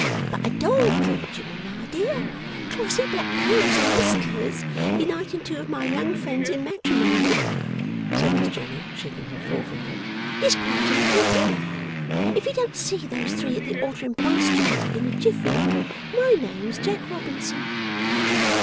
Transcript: But a doll clergyman, my dear, glossy black curls and whiskers uniting two of my young friends in matrimony,' said Miss Jenny, shaking her forefinger, 'is quite another affair. If you don't see those three at the altar in Bond Street, in a jiffy, my name's Jack Robinson!